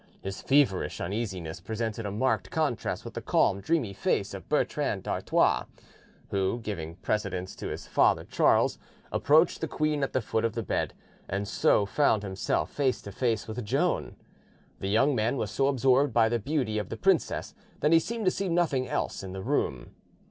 His feverish uneasiness presented a marked contrast with the calm, dreamy face of Bertrand d'Artois, who, giving precedence to his father Charles, approached the queen at the foot of the bed, and so found himself face to face with Joan. The young man was so absorbed by the beauty of the princess that he seemed to see nothing else in the room.